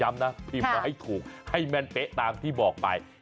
นะพิมพ์มาให้ถูกให้แม่นเป๊ะตามที่บอกไป